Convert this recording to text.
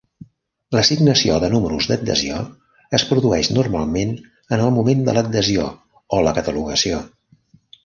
L'assignació de números d'adhesió es produeix normalment en el moment de l'adhesió o la catalogació.